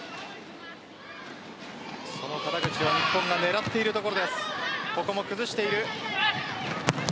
その肩口は日本が狙っているところです。